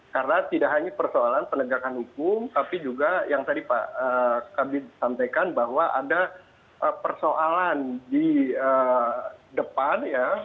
karena tidak hanya persoalan penegakan hukum tapi juga yang tadi pak kabir sampaikan bahwa ada persoalan di depan ya